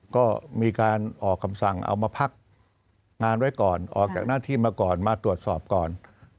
ก็มีการออกคำสั่งเอามาพักงานไว้ก่อนออกจากหน้าที่มาก่อนมาตรวจสอบก่อน